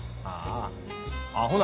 ああ。